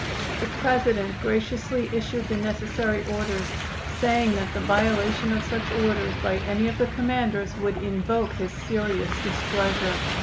The President graciously issued the necessary orders, saying that the violation of such orders by any of the commanders would invoke his serious displeasure.